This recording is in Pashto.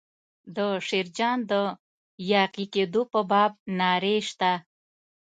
د شیرجان د یاغي کېدو په باب نارې شته.